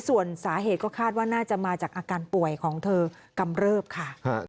ส่วนสาเหตุก็คาดว่าน่าจะมาจากอาการป่วยของเธอกำเริบค่ะ